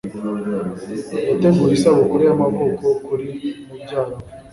Yateguye isabukuru y'amavuko kuri mubyara we.